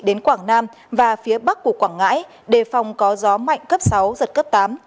đến quảng nam và phía bắc của quảng ngãi đề phòng có gió mạnh cấp sáu giật cấp tám